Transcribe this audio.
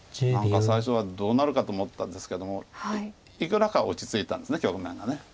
何か最初はどうなるかと思ったんですけどもいくらか落ち着いたんです局面が。